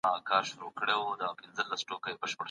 د کار چټکتيا تېر کال د وسايلو د نشتوالي له امله خورا کمه وه.